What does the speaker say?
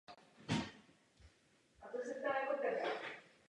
Dimitrij byl patronem druhého bulharského středověkého státu.